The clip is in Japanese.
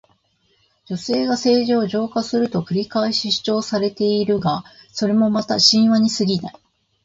女性が政治を浄化すると繰り返し主張されているが、それもまた神話にすぎない。